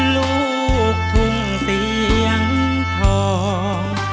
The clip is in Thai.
ลูกทุ่งเสียงทอง